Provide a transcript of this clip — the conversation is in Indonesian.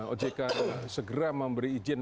ojk segera memberi izin